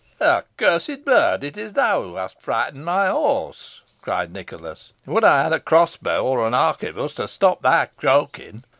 croak! "Accursed bird, it is thou who hast frightened my horse," cried Nicholas. "Would I had a crossbow or an arquebuss to stop thy croaking."